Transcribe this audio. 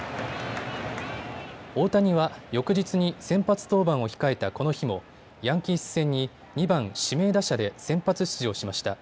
大谷は翌日に先発登板を控えたこの日もヤンキース戦に２番・指名打者で先発出場しました。